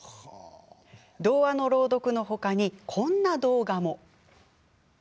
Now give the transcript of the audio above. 童話の朗読の他にこんな動画も。